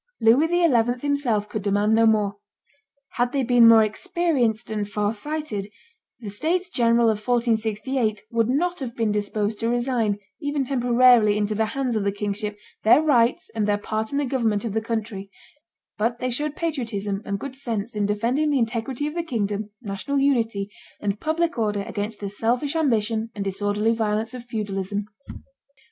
Louis XI. himself could demand no more. Had they been more experienced and far sighted, the states general of 1468 would not have been disposed to resign, even temporarily, into the hands of the kingship, their rights and their part in the government of the country; but they showed patriotism and good sense in defending the integrity of the kingdom, national unity, and public order against the selfish ambition and disorderly violence of feudalism.